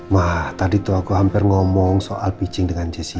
mah tadi tuh aku hampir ngomong soal pitching dengan jessica